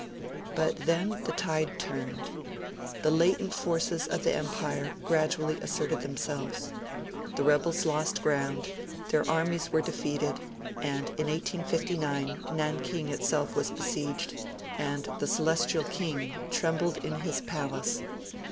But then the tide turned. The latent forces of the Empire gradually asserted themselves. The rebels lost ground, their armies were defeated, and in 1859 Nankin itself was besieged, and the Celestial King trembled in his palace.